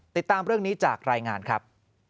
ติดตามเรื่องนี้จากรายงานครับ